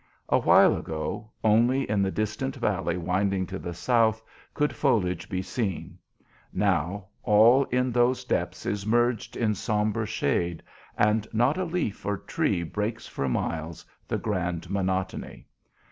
A while ago, only in the distant valley winding to the south could foliage be seen. Now, all in those depths is merged in sombre shade, and not a leaf or tree breaks for miles the grand monotony.